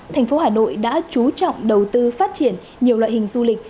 thành phố hà nội đã trú trọng đầu tư phát triển nhiều loại hình du lịch